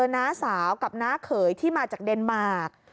น้าสาวกับน้าเขยที่มาจากเดนมาร์ค